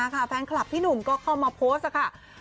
แฟนคลับพี่หนุ่มก็เข้ามาโพสต์ค่ะ